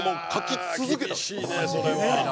厳しいねそれは。